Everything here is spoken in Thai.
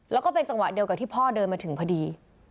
แล้วก็เป็นจังหวะเดียวกับที่พ่อเดินมาถึงพอดี